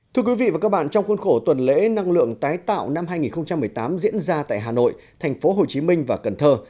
thưa quý vị và các bạn trong khuôn khổ tuần lễ năng lượng tái tạo năm hai nghìn một mươi tám diễn ra tại hà nội thành phố hồ chí minh và cần thơ